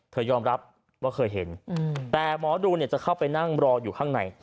ยอมรับว่าเคยเห็นแต่หมอดูเนี่ยจะเข้าไปนั่งรออยู่ข้างใน